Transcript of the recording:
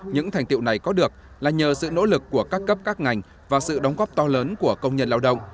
những thành tiệu này có được là nhờ sự nỗ lực của các cấp các ngành và sự đóng góp to lớn của công nhân lao động